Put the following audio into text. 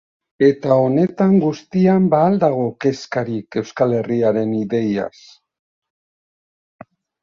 Eta honetan guztian ba al dago kezkarik Euskal Herriaren ideiaz?